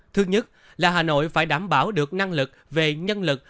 thứ nhất là hà nội phải đảm bảo được năng lực về nhân lực